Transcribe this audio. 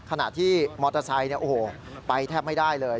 ขณะที่มอเตอร์ไซค์ไปแทบไม่ได้เลย